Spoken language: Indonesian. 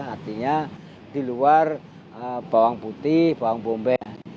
artinya di luar bawang putih bawang bombay